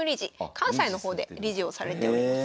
関西の方で理事をされております。